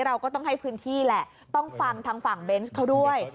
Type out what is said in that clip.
เราก็ต้องให้พื้นที่แหละต้องฟังทางฝั่งเบนส์เขาด้วย